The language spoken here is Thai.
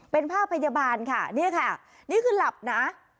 เป็นภาพพยาบาลค่ะนี่ค่ะนี่คือหลับนะ